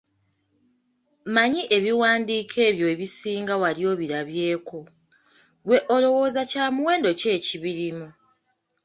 Mmanyi ebiwandiiko ebyo ebisinga wali obirabyeko, ggwe olowooza kyamuwendo ki ekibirimu?